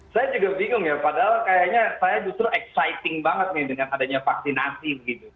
saya juga bingung ya padahal kayaknya saya justru exciting banget nih dengan adanya vaksinasi gitu